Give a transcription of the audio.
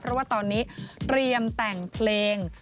เพราะว่าตอนนี้เตรียมแต่งเพลง